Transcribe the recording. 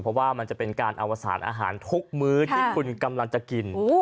เพราะว่ามันจะเป็นการอวสารอาหารทุกมื้อที่คุณกำลังจะกิน